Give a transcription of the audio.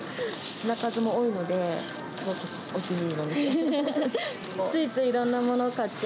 品数も多いので、すごくお気に入りの店。